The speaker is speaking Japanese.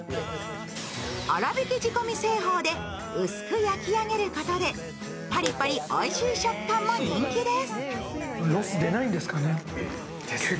粗びき仕込み製法で薄く焼き上げることでパリパリおいしい食感も人気です。